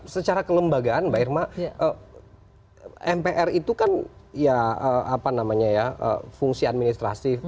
secara kelembagaan mbak irma mpr itu kan ya apa namanya ya fungsi administrasif